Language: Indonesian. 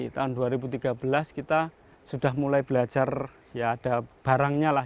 tahun dua ribu tiga belas kita sudah mulai belajar ya ada barangnya lah